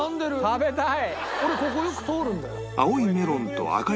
食べたい！